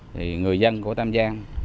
thì người dân của tam giang